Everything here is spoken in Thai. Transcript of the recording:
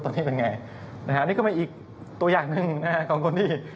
ตอนนี้เป็นไงนะฮะนี่ก็เป็นอีกตัวอย่างหนึ่งของคนที่